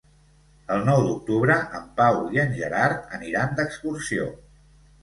El nou d'octubre en Pau i en Gerard aniran d'excursió.